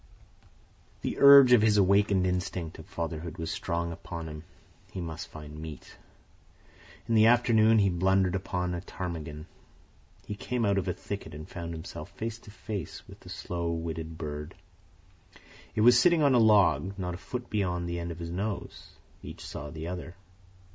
The urge of his awakened instinct of fatherhood was strong upon him. He must find meat. In the afternoon he blundered upon a ptarmigan. He came out of a thicket and found himself face to face with the slow witted bird. It was sitting on a log, not a foot beyond the end of his nose. Each saw the other.